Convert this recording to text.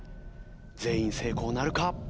全員成功なるか？